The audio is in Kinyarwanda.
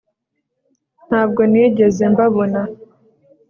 nta bwo nigeze mbabona